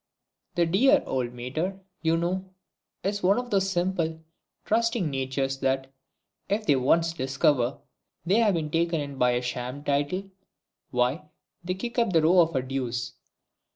The dear old Mater, you know, is one of those simple, trusting natures that, if they once discover they have been taken in by a sham title, why, they kick up the row of a deuce!